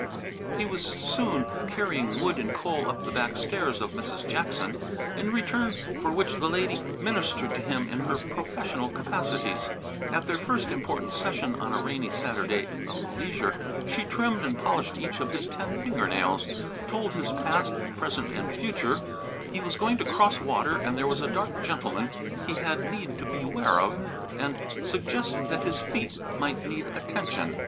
He was soon carrying wood and coal up the back stairs of Mrs. Jackson, in return for which the lady ministered to him in her professional capacities. At their first important session on a rainy Saturday of leisure she trimmed and polished each of his ten finger nails, told his past, present and future he was going to cross water and there was a dark gentleman he had need to beware of and suggested that his feet might need attention.